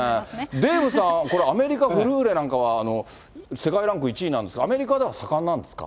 デーブさん、これ、アメリカ、フルーレなんかは世界ランク１位なんですが、アメリカでは盛んなんですか。